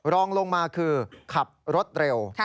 รองลงมาคือขับรถเร็ว